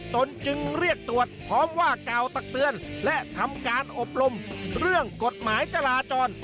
ตนจึงเรียกตรวจพร้อมว่ากล่าวตักเตือนและทำการอบรมเรื่องกฎหมายจราจร